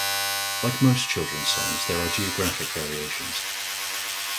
Like most children's songs, there are geographic variations.